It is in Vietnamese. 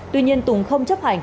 tuy nhiên tùng không chấp hành